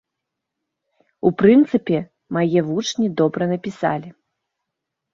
У прынцыпе, мае вучні добра напісалі.